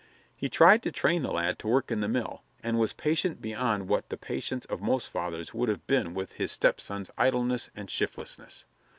He tried to train the lad to work in the mill, and was patient beyond what the patience of most fathers would have been with his stepson's idleness and shiftlessness.